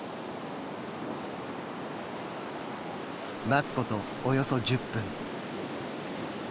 待つことおよそ１０分。